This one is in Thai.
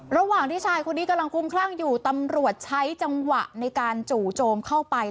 ระหว่างที่ชายคนนี้กำลังคุ้มคลั่งอยู่ตำรวจใช้จังหวะในการจู่โจมเข้าไป